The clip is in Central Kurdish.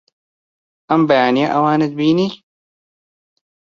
ئەم بەیانییە ئەوانت بینی؟